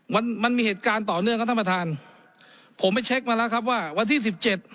มันมันมีเหตุการณ์ต่อเนื่องครับท่านประธานผมไปเช็คมาแล้วครับว่าวันที่สิบเจ็ด